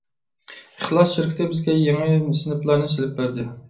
ئىخلاس شىركىتى بىزگە يېڭى سىنىپلارنى سېلىپ بەردى.